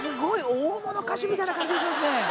大物歌手みたいな感じがしますね。